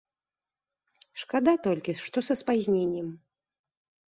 Шкада толькі, што са спазненнем.